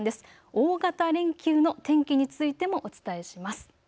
大型連休の天気についてもお伝えします。